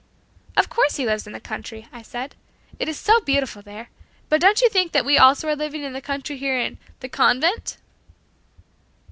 "Of course he lives in the country," I said, "it is so beautiful there. But don't you think that we also are living in the country here in 'The Convent'?"